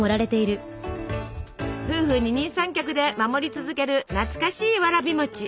夫婦二人三脚で守り続ける懐かしいわらび餅。